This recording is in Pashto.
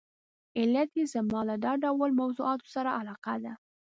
علت یې زما له دا ډول موضوعاتو سره علاقه ده.